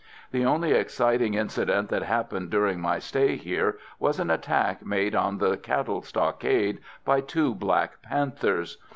The only exciting incident that happened during my stay here was an attack made on the cattle stockade by two black panthers.